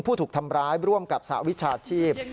ผู้ถูกทำร้ายร่วมกับสหวิชาชีพ